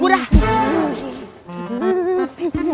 ini udah lo ikut gua